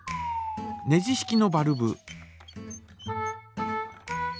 ネジ式のバルブ。